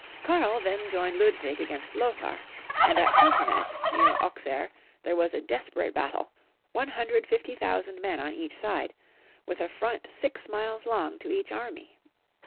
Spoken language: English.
Karl then joined Ludwig against Lothar, and at Fontanet, near Auxerre, there was a desperate battle, 150,000 men on each side, with a front six miles long to each army.